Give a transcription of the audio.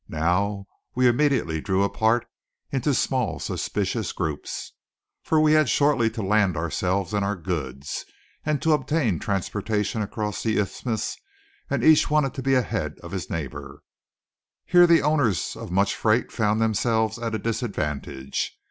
Now we immediately drew apart into small suspicious groups. For we had shortly to land ourselves and our goods, and to obtain transportation across the Isthmus; and each wanted to be ahead of his neighbour. Here the owners of much freight found themselves at a disadvantage.